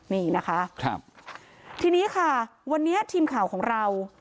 นี่นะคะครับทีนี้ค่ะวันนี้ทีมข่าวของเรา